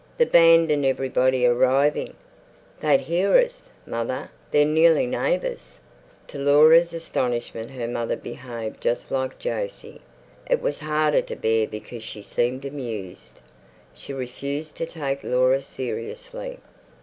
"The band and everybody arriving. They'd hear us, mother; they're nearly neighbours!" To Laura's astonishment her mother behaved just like Jose; it was harder to bear because she seemed amused. She refused to take Laura seriously.